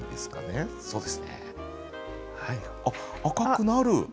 赤くなる。